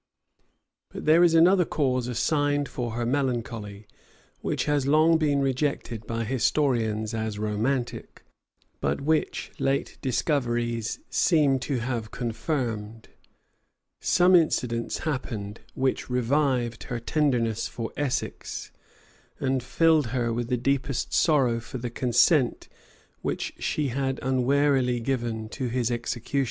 But there is another cause assigned for her melancholy, which has long been rejected by historians as romantic, but which late discoveries seem to have confirmed:[*] some incidents happened which revived her tenderness for Essex, and filled her with the deepest sorrow for the consent which she had unwarily given to his execution.